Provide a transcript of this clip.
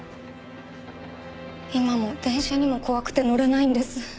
今も電車にも怖くて乗れないんです。